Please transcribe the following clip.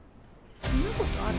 そんなことある？